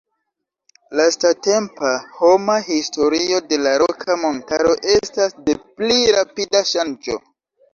Lastatempa homa historio de la Roka Montaro estas de pli rapida ŝanĝo.